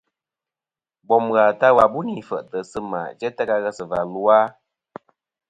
Bòm ghà ta wà bû nì fèʼtɨ̀ sɨ̂ mà jæ ta ka ghesɨ̀và lu a?